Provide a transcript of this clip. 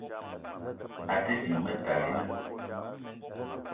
A te ding Metalina